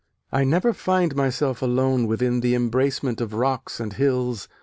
] I never find myself alone within the embracement of rocks and hills